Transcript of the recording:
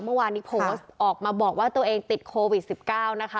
เมื่อวานนี้โพสต์ออกมาบอกว่าตัวเองติดโควิด๑๙นะคะ